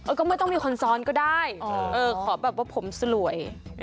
ก็ไม่ต้องมีคนซ้อนก็ได้ขอแบบว่าผมสลวย